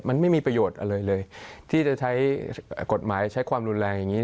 มันไม่มีประโยชน์อะไรเลยที่จะใช้กฎหมายใช้ความรุนแรงอย่างนี้